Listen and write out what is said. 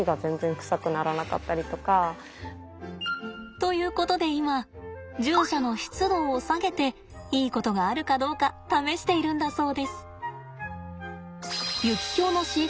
ということで今獣舎の湿度を下げていいことがあるかどうか試しているんだそうです。